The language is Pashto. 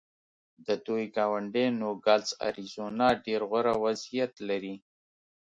د دوی ګاونډی نوګالس اریزونا ډېر غوره وضعیت لري.